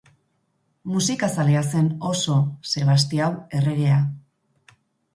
Musikazalea zen oso Sebastiao erregea.